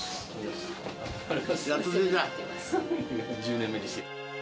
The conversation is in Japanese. １０年目にして。